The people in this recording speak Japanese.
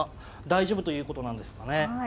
大丈夫ということなんですかね。